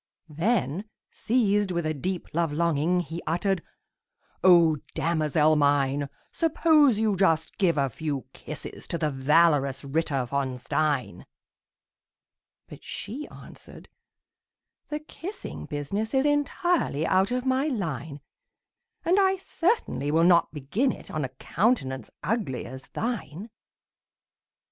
Then, seized with a deep love longing, He uttered, "O damosel mine, Suppose you just give a few kisses To the valorous Ritter von Stein!" But she answered, "The kissing business Is entirely out of my line; And I certainly will not begin it On a countenance ugly as thine!"